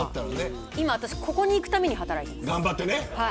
今ここに行くために働いてます。